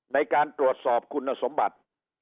ในการตรวจสอบคุณสมบัติ